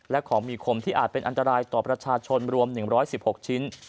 และของมีคมที่อาจเป็นอันตรายต่อประชาชนรวม๑๑๖ชิ้น